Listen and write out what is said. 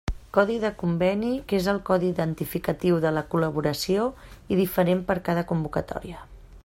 Codi de conveni, que és el codi identificatiu de la col·laboració i diferent per cada convocatòria.